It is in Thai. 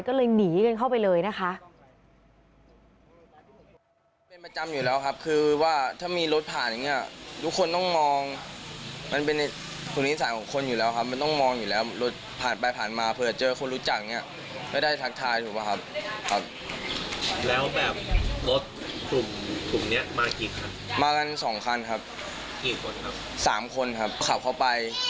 ก็เลยหนีกันเข้าไปเลยนะคะ